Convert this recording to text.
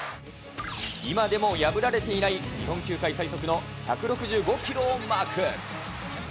今でも破られていない日本球界最速の１６５キロをマーク。